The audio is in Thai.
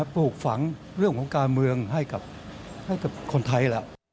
ปลูกฝังเรื่องของการเมืองให้กับคนไทยแล้ว